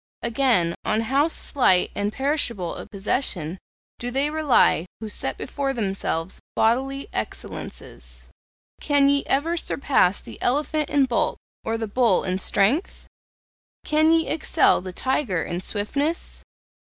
Again, on how slight and perishable a possession do they rely who set before themselves bodily excellences! Can ye ever surpass the elephant in bulk or the bull in strength? Can ye excel the tiger in swiftness?